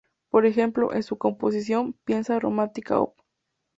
Por ejemplo, en su composición, pieza romántica op.